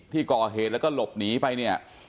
ที่ก่อเหตุแล้วก็หลบหนีไป